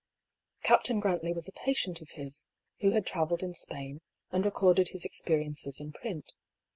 Captain Grantley was a patient of his, who had travelled in Spain, and recorded his experiences in print.